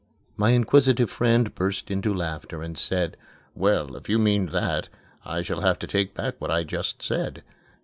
My inquisitive friend burst into laughter and said, "Well, if you mean that, I shall have to take back what I just said.